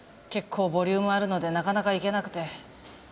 結構ボリュームあるのでなかなか行けなくて。